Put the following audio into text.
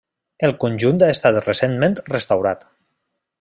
El conjunt ha estat recentment restaurat.